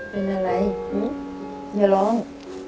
เป็นอะไรอย่าร้อง